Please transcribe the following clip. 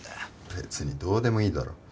別にどうでもいいだろ。